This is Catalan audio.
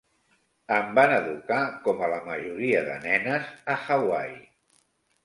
Em van educar com a la majoria de nenes a Hawaii.